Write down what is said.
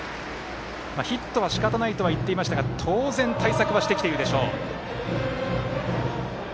ヒットはしかたないとは言っていましたが当然、対策はしてきてるでしょう。